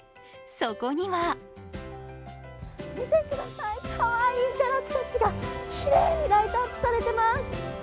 そこには見てください、かわいいキャラクターたちがきれいにライトアップされています。